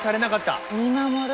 見守る！